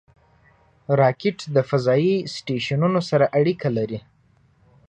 راکټ د فضایي سټیشنونو سره اړیکه لري